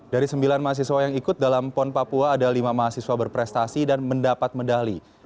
dari sembilan mahasiswa yang ikut dalam pon papua ada lima mahasiswa berprestasi dan mendapat medali